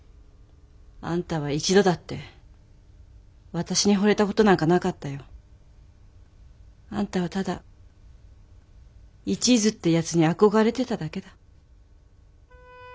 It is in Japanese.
あんたは一度だって私に惚れた事なんかなかったよ。あんたはただ一途ってやつにあこがれてただけだ。